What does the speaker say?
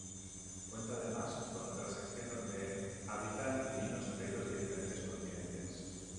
Cuenta además con otra sección donde habitan felinos traídos de diferentes continentes.